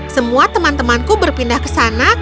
semua teman temanku berpindah ke sana